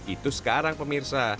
itu sekarang pemirsa